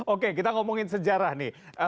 oke kita ngomongin sejarah nih